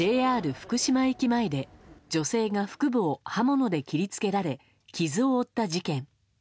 福島駅前で女性が腹部を刃物で切り付けられ傷を負った事件。